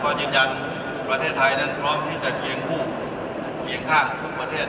เพราะอาทิตย์ยันต์ประเทศทัยพร้อมที่จะเคียงพูดเคียงข้างทุกประเทศ